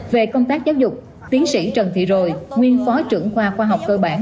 về công tác giáo dục tiến sĩ trần thị rồi nguyên phó trưởng khoa khoa học cơ bản